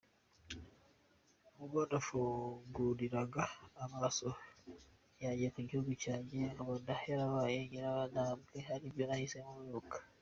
Ubwo nafunguriraga amaso yanjye ku gihugu cyanjye, nkabona cyarabaye nyirantabwa, hari ibyo nahise nibuka.